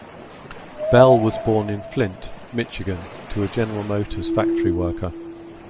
Bell was born in Flint, Michigan to a General Motors factory worker.